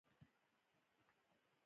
ایا زه باید په دایکندی کې اوسم؟